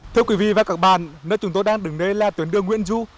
thưa quý vị và các bạn nơi chúng tôi đang đứng đây là tuyến đường nguyễn du